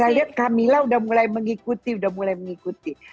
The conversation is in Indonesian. saya lihat camilla sudah mulai mengikuti